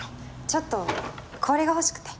ちょっと氷が欲しくて。